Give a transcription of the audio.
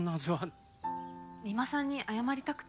三馬さんに謝りたくて。